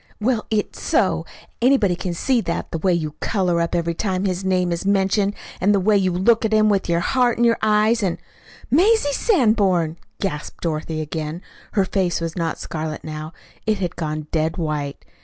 "Well, it's so. Anybody can see that the way you color up every time his name is mentioned, and the way you look at him, with your heart in your eyes, and " "Mazie Sanborn!" gasped Dorothy again. Her face was not scarlet now. It had gone dead white.